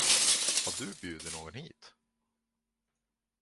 Har du bjudit någon hit?